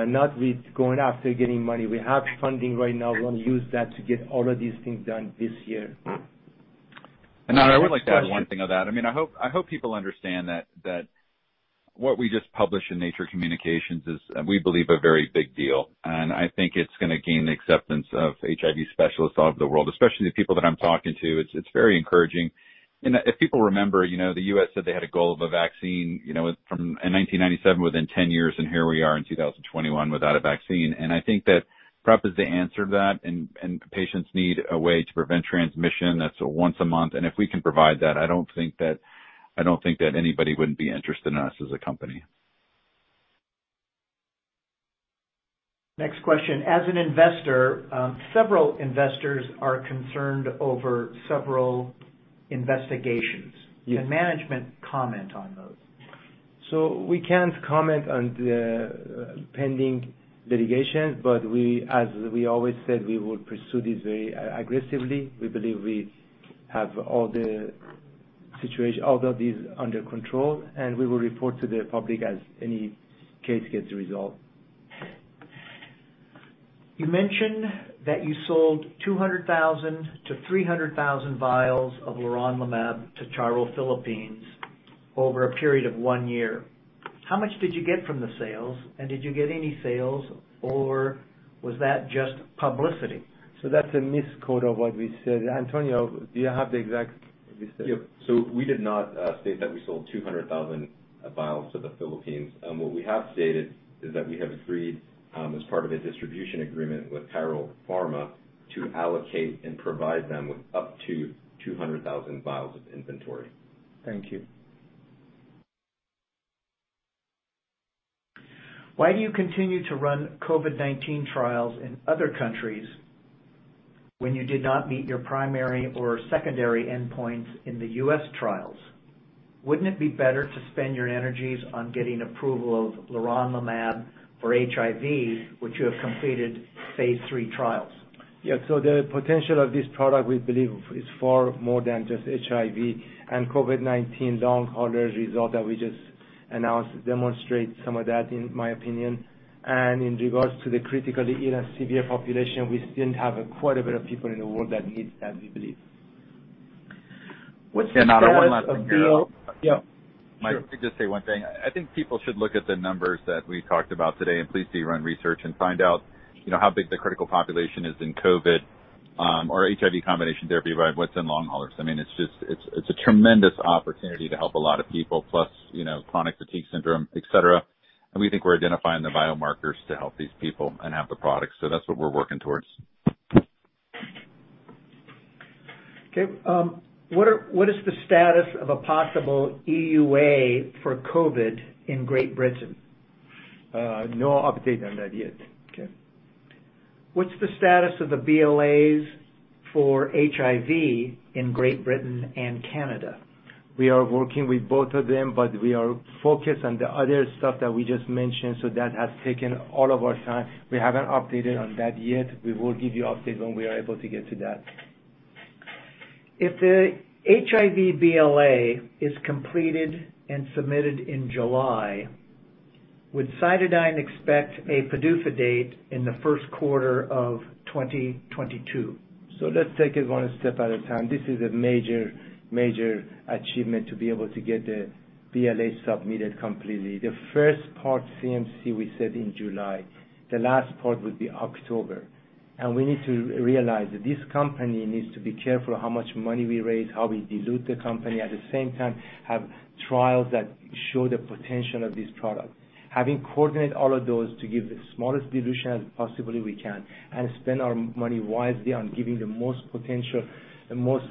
not with going after getting money. We have funding right now. We'll use that to get all of these things done this year. Nader, I would like to add one thing to that. I hope people understand that what we just published in Nature Communications is, we believe, a very big deal. I think it's going to gain the acceptance of HIV specialists all over the world, especially the people that I'm talking to. It's very encouraging. If people remember, the U.S. said they had a goal of a vaccine, from 1997 within 10 years. Here we are in 2021 without a vaccine. I think that PrEP is the answer to that. Patients need a way to prevent transmission that's once a month. If we can provide that, I don't think that anybody wouldn't be interested in us as a company. Next question. As an investor, several investors are concerned over several investigations. Yes. Can management comment on those? We can't comment on the pending litigations, but as we always said, we will pursue this very aggressively. We believe we have all of these under control, and we will report to the public as any case gets resolved. You mentioned that you sold 200,000 to 300,000 vials of leronlimab to Chiral Philippines over a period of one year. How much did you get from the sales, and did you get any sales, or was that just publicity? That's a misquote of what we said. Antonio, do you have the exact? Yeah. We did not state that we sold 200,000 vials to the Philippines. What we have stated is that we have agreed, as part of a distribution agreement with Chiral Pharma, to allocate and provide them with up to 200,000 vials of inventory. Thank you. Why do you continue to run COVID-19 trials in other countries when you did not meet your primary or secondary endpoints in the U.S. trials? Wouldn't it be better to spend your energies on getting approval of leronlimab for HIV, which you have completed phase III trials? Yeah. The potential of this product, we believe, is far more than just HIV, and COVID-19 long hauler result that we just announced demonstrates some of that, in my opinion. In regards to the critically ill and CD8 population, we still have quite a bit of people in the world that need us, we believe. What's the status of the? Can I add one last thing? Yeah. Sure. Just to say one thing. I think people should look at the numbers that we talked about today. Please do your own research and find out how big the critical population is in COVID or HIV combination therapy, right, what's in long haulers. It's a tremendous opportunity to help a lot of people plus chronic fatigue syndrome, et cetera. We think we're identifying the biomarkers to help these people and have the product. That's what we're working towards. Okay. What is the status of a possible EUA for COVID in Great Britain? No update on that yet. Okay. What's the status of the BLAs for HIV in Great Britain and Canada? We are working with both of them, but we are focused on the other stuff that we just mentioned, so that has taken all of our time. We haven't updated on that yet. We will give you update when we are able to get to that. If the HIV BLA is completed and submitted in July, would CytoDyn expect a PDUFA date in the first quarter of 2022? Let's take it one step at a time. This is a major achievement to be able to get the BLA submitted completely. The first part, CMC, we said in July. The last part would be October. We need to realize that this company needs to be careful how much money we raise, how we dilute the company. At the same time, have trials that show the potential of this product. Having coordinate all of those to give the smallest dilution as possibly we can and spend our money wisely on giving the most potential, the most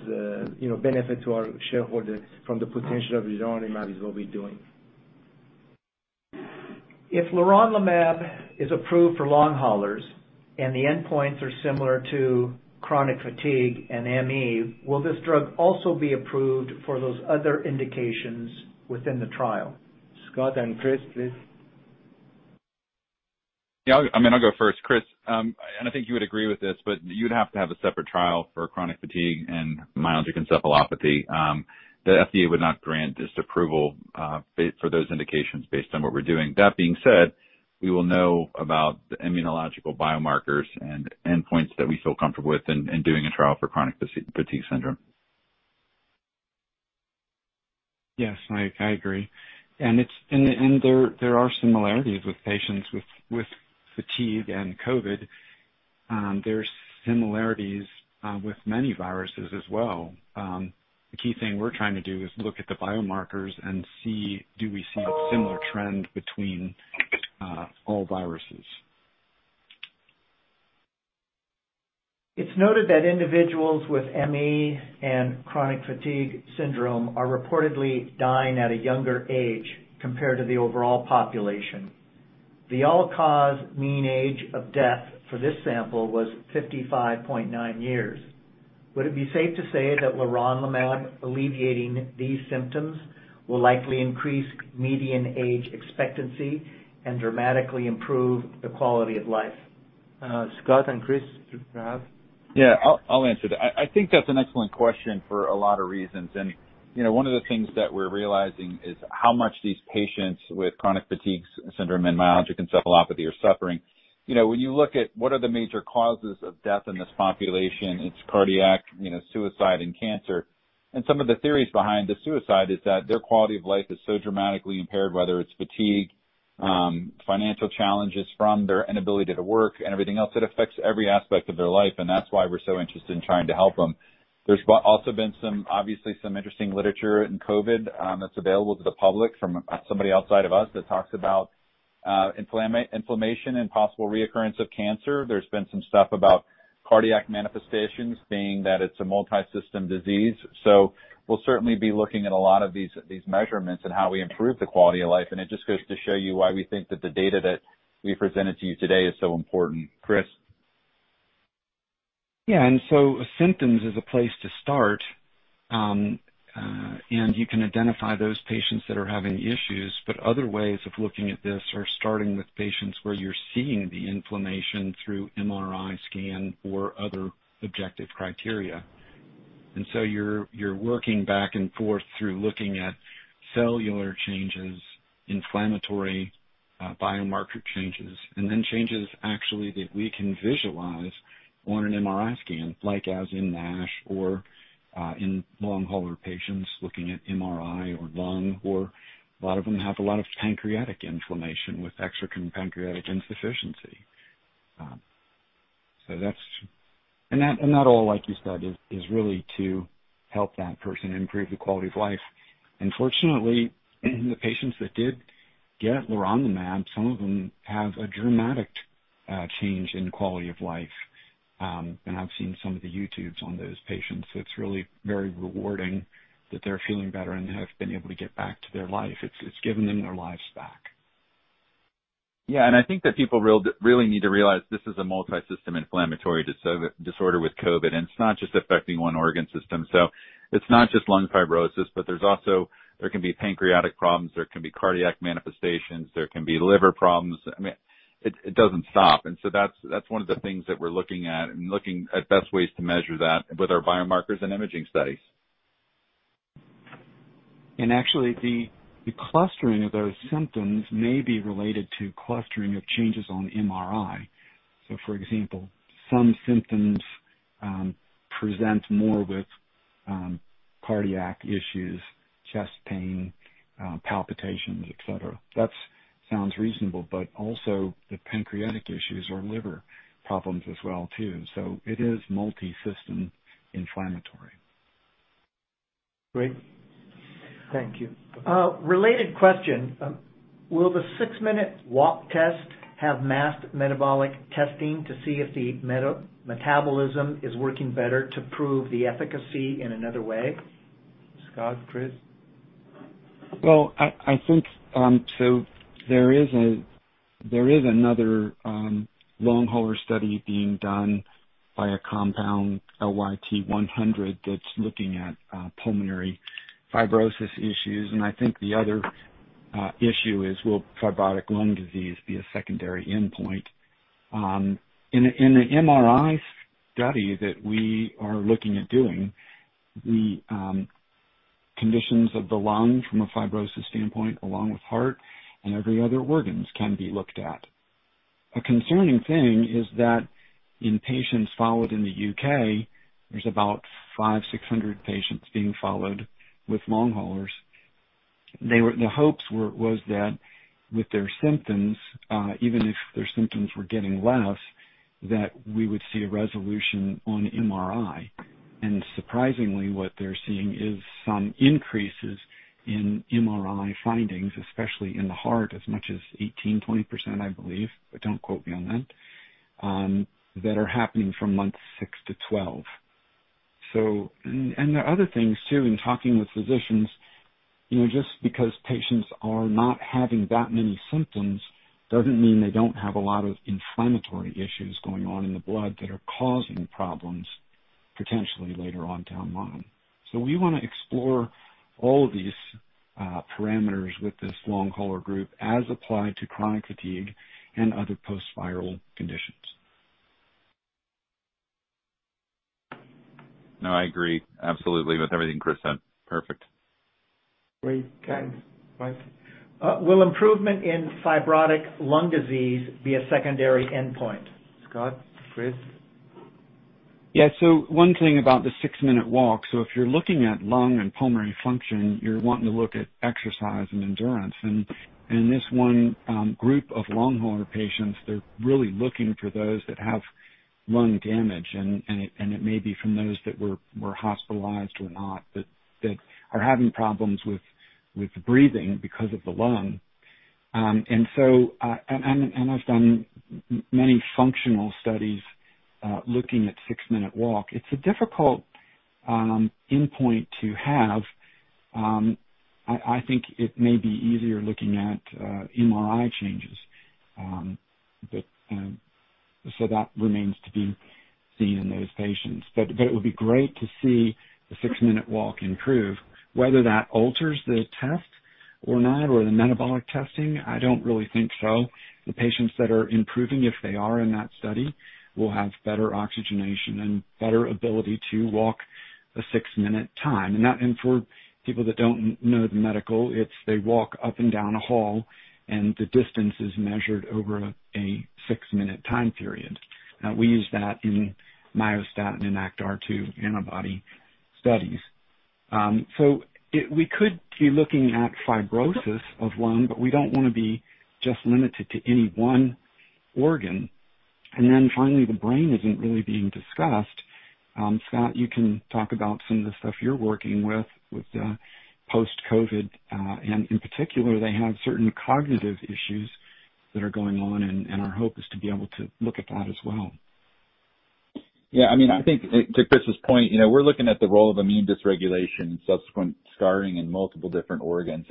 benefit to our shareholders from the potential of leronlimab is what we're doing. If leronlimab is approved for long haulers and the endpoints are similar to chronic fatigue and ME, will this drug also be approved for those other indications within the trial? Scott and Chris, please. I'm going to go first. Chris, I think you would agree with this, but you'd have to have a separate trial for chronic fatigue and myalgic encephalomyelitis. The FDA would not grant us approval for those indications based on what we're doing. That being said, we will know about the immunological biomarkers and endpoints that we feel comfortable with in doing a trial for chronic fatigue syndrome. Yes, I agree. There are similarities with patients with fatigue and COVID. There's similarities with many viruses as well. The key thing we're trying to do is look at the biomarkers and see, do we see a similar trend between all viruses. It's noted that individuals with ME and chronic fatigue syndrome are reportedly dying at a younger age compared to the overall population. The all-cause mean age of death for this sample was 55.9 years. Would it be safe to say that leronlimab alleviating these symptoms will likely increase median age expectancy and dramatically improve the quality of life? Scott and Chris to grab. Yeah, I'll answer that. I think that's an excellent question for a lot of reasons, and one of the things that we're realizing is how much these patients with chronic fatigue syndrome and myalgic encephalomyelitis are suffering. When you look at what are the major causes of death in this population, it's cardiac, suicide, and cancer. Some of the theories behind the suicide is that their quality of life is so dramatically impaired, whether it's fatigue, financial challenges from their inability to work, and everything else that affects every aspect of their life, and that's why we're so interested in trying to help them. There's also been obviously some interesting literature in COVID that's available to the public from somebody outside of us that talks about inflammation and possible recurrence of cancer. There's been some stuff about cardiac manifestations being that it's a multi-system disease. We'll certainly be looking at a lot of these measurements and how we improve the quality of life, and it just goes to show you why we think that the data that we presented to you today is so important. Chris? Yeah, symptoms is a place to start. You can identify those patients that are having issues, but other ways of looking at this are starting with patients where you're seeing the inflammation through MRI scan or other objective criteria. You're working back and forth through looking at cellular changes, inflammatory biomarker changes, and then changes actually that we can visualize on an MRI scan, like as in NASH or in long hauler patients looking at MRI or lung, or a lot of them have a lot of pancreatic inflammation with exocrine pancreatic insufficiency. That all, like you said, is really to help that person improve the quality of life. Fortunately, in the patients that did get leronlimab, some of them have a dramatic change in quality of life. I've seen some of the YouTube on those patients, so it's really very rewarding that they're feeling better and have been able to get back to their life. It's given them their lives back. I think that people really need to realize this is a multi-system inflammatory disorder with COVID, and it's not just affecting one organ system. It's not just lung fibrosis, but there can be pancreatic problems, there can be cardiac manifestations, there can be liver problems. It doesn't stop. That's one of the things that we're looking at and looking at best ways to measure that with our biomarkers and imaging studies. Actually, the clustering of those symptoms may be related to clustering of changes on MRI. For example, some symptoms present more with cardiac issues, chest pain, palpitations, et cetera. That sounds reasonable, but also the pancreatic issues or liver problems as well too. It is multi-system inflammatory. Great. Thank you. Related question. Will the six-minute walk test have masked metabolic testing to see if the metabolism is working better to prove the efficacy in another way? Scott, Chris? I think there is another long hauler study being done by a compound, LYT-100, that's looking at pulmonary fibrosis issues. I think the other issue is will fibrotic lung disease be a secondary endpoint? In an MRI study that we are looking at doing, the conditions of the lung from a fibrosis standpoint, along with heart and every other organs can be looked at. A concerning thing is that in patients followed in the U.K., there's about five, 600 patients being followed with long haulers. The hopes was that with their symptoms, even if their symptoms were getting less, that we would see a resolution on MRI, and surprisingly what they're seeing is some increases in MRI findings, especially in the heart, as much as 18%, 20%, I believe, but don't quote me on that are happening from months six to 12. The other thing too, in talking with physicians, just because patients are not having that many symptoms doesn't mean they don't have a lot of inflammatory issues going on in the blood that are causing problems potentially later on down the line. We want to explore all of these parameters with this long hauler group as applied to chronic fatigue and other post-viral conditions. No, I agree absolutely with everything Chris said. Perfect. Great. Thanks. Will improvement in fibrotic lung disease be a secondary endpoint? Scott, Chris? Yeah. One thing about the six-minute walk, if you're looking at lung and pulmonary function, you're wanting to look at exercise and endurance. In this one group of long hauler patients, they're really looking for those that have lung damage, and it may be from those that were hospitalized or not, that are having problems with breathing because of the lung. I've done many functional studies looking at six-minute walk. It's a difficult endpoint to have. I think it may be easier looking at MRI changes. That remains to be seen in those patients. It would be great to see the six-minute walk improve. Whether that alters the test or not, or the metabolic testing, I don't really think so. The patients that are improving, if they are in that study, will have better oxygenation and better ability to walk a six-minute time. For people that do not know the medical, it is they walk up and down a hall, and the distance is measured over a six-minute time period. We use that in myostatin and ACTR2 antibody studies. We could be looking at fibrosis of lung, but we do not want to be just limited to any one organ. Finally, the brain is not really being discussed. Scott, you can talk about some of the stuff you are working with post-COVID, and in particular, they have certain cognitive issues that are going on, and our hope is to be able to look at that as well. Yeah, I think to Chris's point, we're looking at the role of immune dysregulation and subsequent scarring in multiple different organs.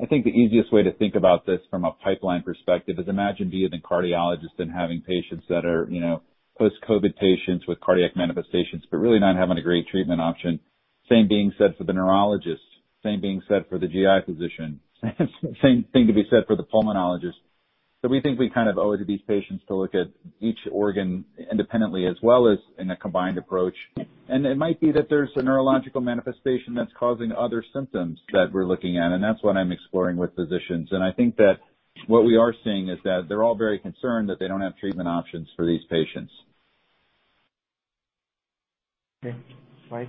I think the easiest way to think about this from a pipeline perspective is imagine being a cardiologist and having patients that are post-COVID patients with cardiac manifestations but really not having a great treatment option. Same being said for the neurologist, same being said for the GI physician, same thing can be said for the pulmonologist. We think we owe it to these patients to look at each organ independently as well as in a combined approach. It might be that there's a neurological manifestation that's causing other symptoms that we're looking at, and that's what I'm exploring with physicians. I think that what we are seeing is that they're all very concerned that they don't have treatment options for these patients. Okay. Mike.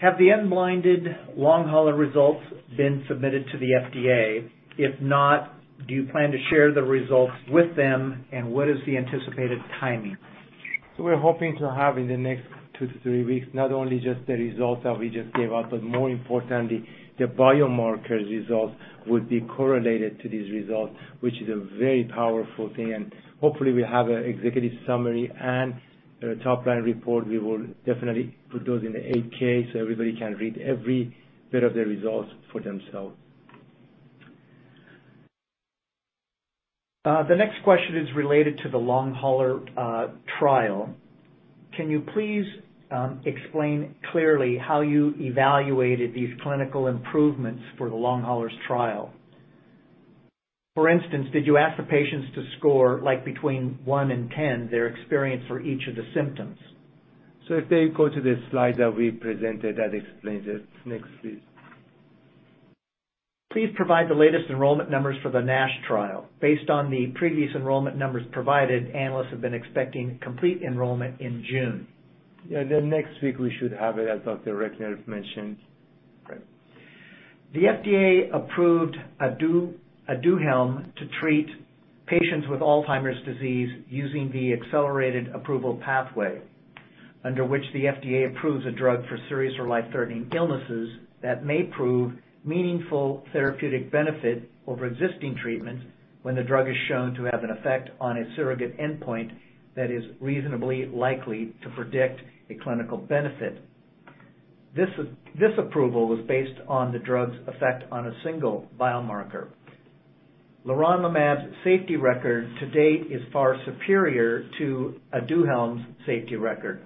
Have the unblinded long hauler results been submitted to the FDA? If not, do you plan to share the results with them, and what is the anticipated timing? We're hoping to have in the next two to three weeks, not only just the results that we just gave out, but more importantly, the biomarker results will be correlated to these results, which is a very powerful thing. Hopefully we have an executive summary and a top-line report. We will definitely put those in the 8-K, so everybody can read every bit of the results for themselves. The next question is related to the long hauler trial. Can you please explain clearly how you evaluated these clinical improvements for the long haulers trial? For instance, did you ask the patients to score between one and 10 their experience for each of the symptoms? If they go to the slide that we presented, that explains it. Next, please. Please provide the latest enrollment numbers for the NASH trial. Based on the previous enrollment numbers provided, analysts have been expecting complete enrollment in June. Yeah, next week we should have it, as Dr. Reckner mentioned. Great. The FDA approved Aduhelm to treat patients with Alzheimer's disease using the Accelerated Approval pathway, under which the FDA approves a drug for serious or life-threatening illnesses that may prove meaningful therapeutic benefit over existing treatments when the drug is shown to have an effect on a surrogate endpoint that is reasonably likely to predict a clinical benefit. This approval was based on the drug's effect on a single biomarker. leronlimab's safety record to date is far superior to Aduhelm's safety record.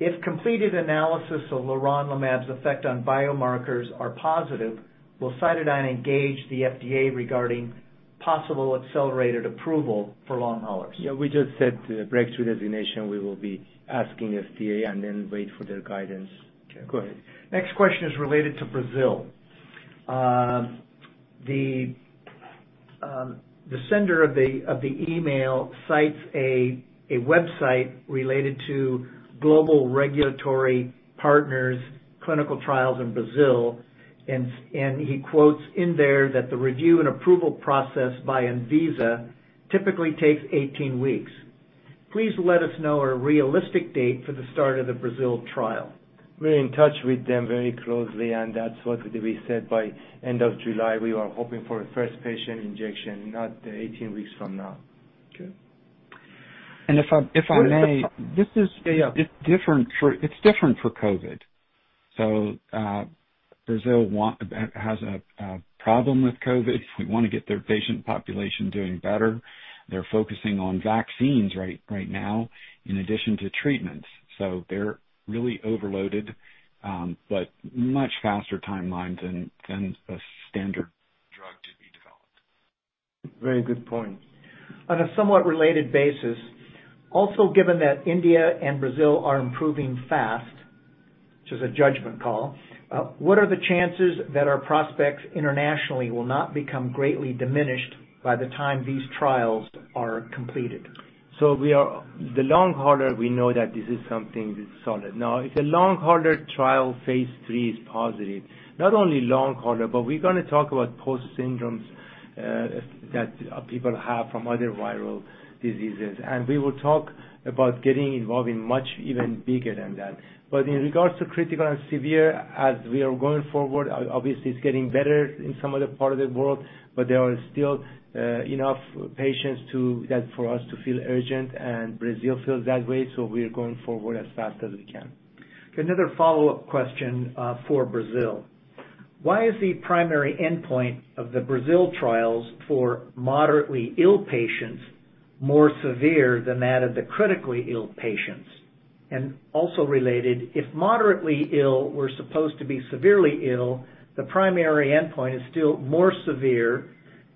If completed analysis of leronlimab's effect on biomarkers are positive, will CytoDyn engage the FDA regarding possible accelerated approval for long haulers? Yeah, we just said the breakthrough designation, we will be asking FDA and then wait for their guidance. Okay. Go ahead. Next question is related to Brazil. The sender of the email cites a website related to global regulatory partners clinical trials in Brazil, and he quotes in there that the review and approval process by Anvisa typically takes 18 weeks. Please let us know a realistic date for the start of the Brazil trial. We're in touch with them very closely. That's what we said by end of July, we are hoping for a first patient injection, not 18 weeks from now. Okay. If I may, it's different for COVID. Brazil has a problem with COVID. We want to get their patient population doing better. They're focusing on vaccines right now in addition to treatments. They're really overloaded, but much faster timeline than a standard drug to be developed. Very good point. On a somewhat related basis, also given that India and Brazil are improving fast, which is a judgment call, what are the chances that our prospects internationally will not become greatly diminished by the time these trials are completed? The long hauler, we know that this is something solid. If the long hauler trial phase III is positive, not only long hauler, but we're going to talk about post symptoms that people have from other viral diseases. We will talk about getting involved in much even bigger than that. In regards to critical and severe, as we are going forward, obviously, it's getting better in some of the part of the world, but there are still enough patients for us to feel urgent, and Brazil feels that way, so we are going forward as fast as we can. Another follow-up question for Brazil. Why is the primary endpoint of the Brazil trials for moderately ill patients more severe than that of the critically ill patients? Also related, if moderately ill were supposed to be severely ill, the primary endpoint is still more severe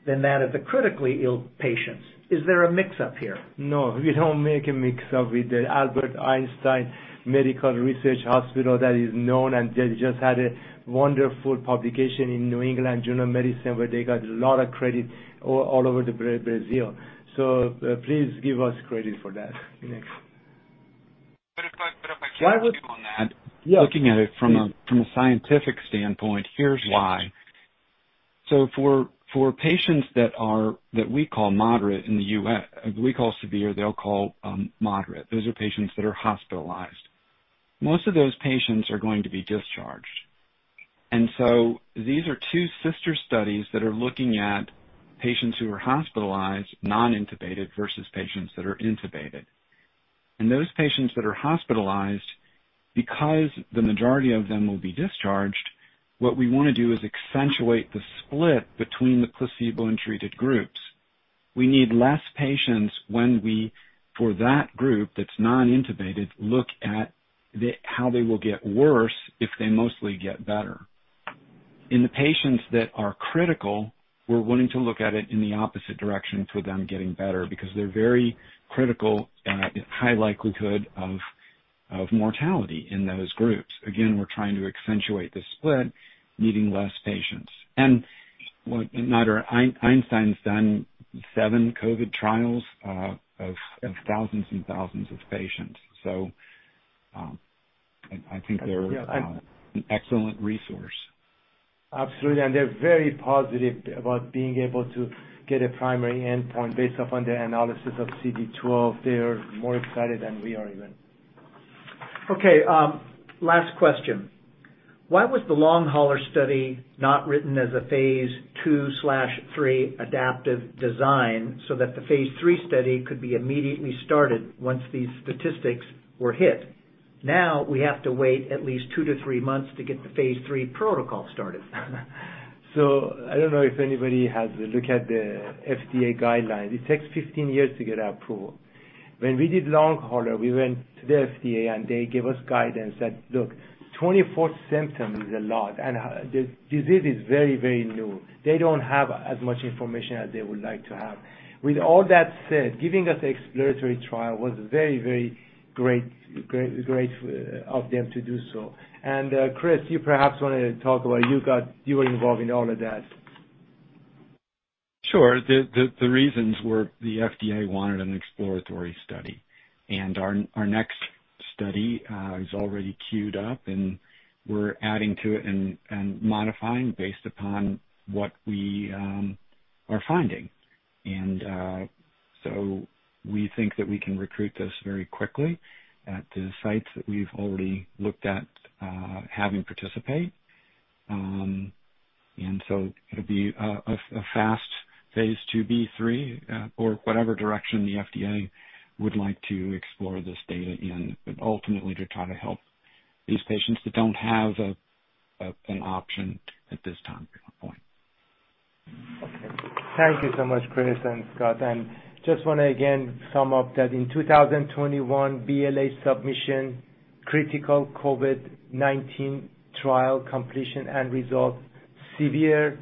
than that of the critically ill patients. Is there a mix-up here? No, we don't make a mix-up. It's the Albert Einstein Medical Research that is known, and they just had a wonderful publication in "New England Journal of Medicine" where they got a lot of credit all over Brazil. Please give us credit for that. But if I could. Looking at it from a scientific standpoint, here's why. For patients that we call moderate in the U.S., we call severe, they'll call moderate. Those are patients that are hospitalized. Most of those patients are going to be discharged. These are two sister studies that are looking at patients who are hospitalized, non-intubated versus patients that are intubated. Those patients that are hospitalized, because the majority of them will be discharged, what we want to do is accentuate the split between the placebo and treated groups. We need less patients when we, for that group that's non-intubated, look at how they will get worse if they mostly get better. In the patients that are critical, we're willing to look at it in the opposite direction for them getting better because they're very critical at high likelihood of mortality in those groups. Again, we're trying to accentuate the split, needing less patients. What matter, Einstein's done seven COVID trials of 1,000 and 1,000 of patients. I think they're an excellent resource. Absolutely. They're very positive about being able to get a primary endpoint based upon the analysis of CD12. They are more excited than we are even. Okay. Last question. Why was the long hauler study not written as a phase II/III adaptive design so that the phase III study could be immediately started once these statistics were hit? We have to wait at least two to three months to get the phase III protocol started. I don't know if anybody has looked at the FDA guideline. It takes 15 years to get approval. When we did long hauler, we went to the FDA, and they gave us guidance that, look, 24 symptoms is a lot, and the disease is very, very new. They don't have as much information as they would like to have. With all that said, giving us exploratory trial was very, very great of them to do so. Chris, you perhaps want to talk about, you were involved in all of that. Sure. The reasons were the FDA wanted an exploratory study, and our next study is already queued up, and we're adding to it and modifying based upon what we are finding. So we think that we can recruit this very quickly at the sites that we've already looked at having participate. So it'll be a fast phase II, B3 or whatever direction the FDA would like to explore this data in, but ultimately to try to help these patients that don't have an option at this time or point. Okay. Thank you so much, Chris and Scott. Just want to, again, sum up that in 2021, BLA submission, critical COVID-19 trial completion and results, severe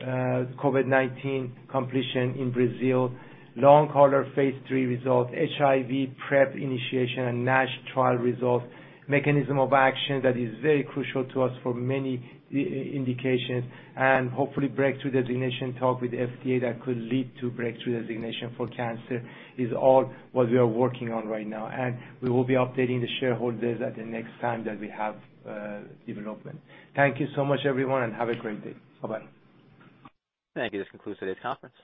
COVID-19 completion in Brazil, long hauler phase III results, HIV PrEP initiation, and NASH trial results, mechanism of action that is very crucial to us for many indications and hopefully breakthrough designation talk with FDA that could lead to breakthrough designation for cancer is all what we are working on right now. We will be updating the shareholders at the next time that we have development. Thank you so much, everyone, and have a great day. Bye-bye. Thank you. This concludes today's conference.